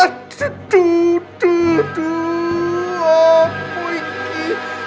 aduh aduh aduh aduh apa ini